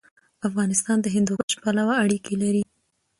افغانستان د هندوکش پلوه اړیکې لري.